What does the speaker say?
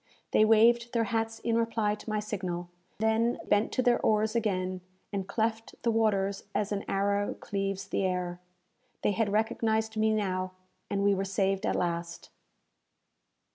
They waved their hats in reply to my signal; then bent to their oars again, and cleft the waters as an arrow cleaves the air. They had recognized me now, and we were saved at last!